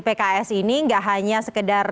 pks ini nggak hanya sekedar